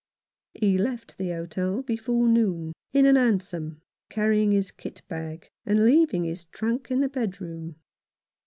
He left the hotel before noon, in a hansom, carrying his kit bag, and leaving his trunk in his bedroom.